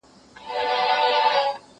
هغه څوک چي قلمان پاکوي روغ وي